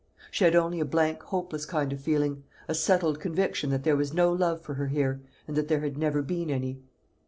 She had only a blank hopeless kind of feeling; a settled conviction that there was no love for her here, and that there had never been any.